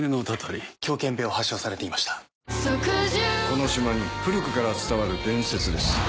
「この島に古くから伝わる伝説です」